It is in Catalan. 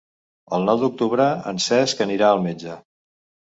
El nou d'octubre en Cesc anirà al metge.